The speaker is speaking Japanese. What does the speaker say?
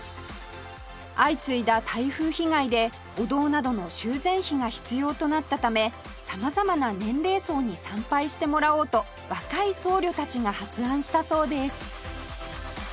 相次いだ台風被害でお堂などの修繕費が必要となったため様々な年齢層に参拝してもらおうと若い僧侶たちが発案したそうです